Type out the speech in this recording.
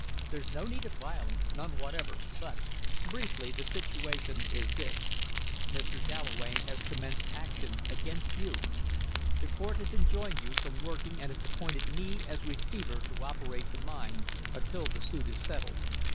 There's no need of violence none whatever but, briefly, the situation is this: Mr. Galloway has commenced action against you; the court has enjoined you from working and has appointed me as receiver to operate the mine until the suit is settled.